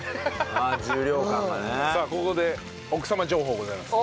さあここで奥様情報ございます。